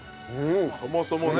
そもそもね。